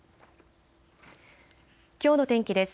きょうの天気です。